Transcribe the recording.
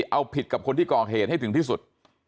เอาผิดกับคนที่ก่อเหตุให้ถึงที่สุด